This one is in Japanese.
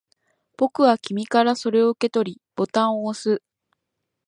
僕は君からそれを受け取り、ボタンを押す